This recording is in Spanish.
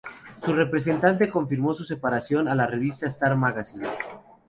Su representante confirmó su separación a la revista "Star Magazine".